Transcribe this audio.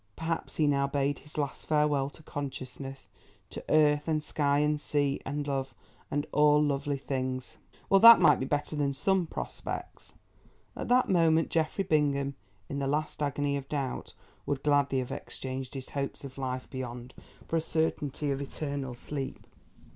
Perhaps he now bade his last farewell to consciousness, to earth and sky and sea and love and all lovely things. Well, that might be better than some prospects. At that moment Geoffrey Bingham, in the last agony of doubt, would gladly have exchanged his hopes of life beyond for a certainty of eternal sleep.